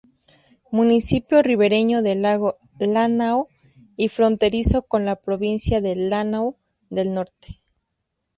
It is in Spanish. Municipio ribereño del lago Lánao y fronterizo con la provincia de Lánao del Norte.